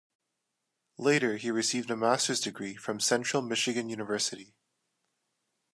Later he received a master's degree from Central Michigan University.